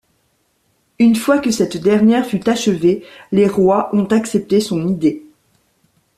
Une fois que cette dernière fut achevée, les Rois ont accepté son idée.